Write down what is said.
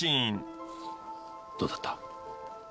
どうだった？